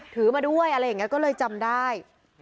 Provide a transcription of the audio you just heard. ถือมาด้วยอะไรอย่างนี้ก็เลยจำได้